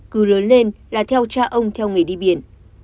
cứ lớn lên là theo cha ông theo nghề đi biển